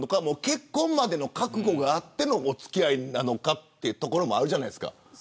結婚までの覚悟があってのお付き合いなのかというところもあるじゃないですか。